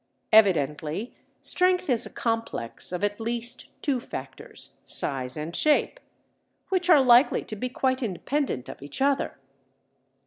Evidently strength is a complex of at least two factors, size and shape, which are likely to be quite independent of each other.